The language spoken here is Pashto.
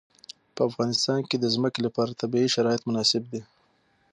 په افغانستان کې د ځمکه لپاره طبیعي شرایط مناسب دي.